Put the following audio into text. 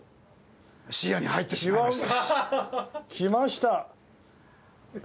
視野に入ってしまいました。